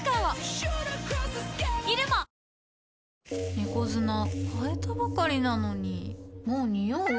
猫砂替えたばかりなのにもうニオう？